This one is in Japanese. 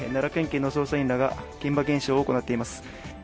警の捜査員らが現場検証を行っています。